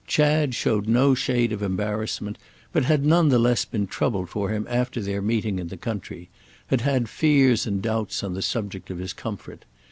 Chad showed no shade of embarrassment, but had none the less been troubled for him after their meeting in the country; had had fears and doubts on the subject of his comfort.